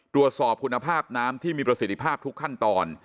ตรวจสอบคุณภาพน้ำที่มีประสิทธิภาพทุกขั้นตอน